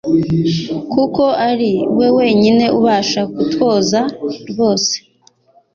Kuko ari we wenyine ubasha kutwoza rwose.